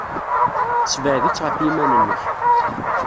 Ssebɛed-itt ɣef yiman-nnek!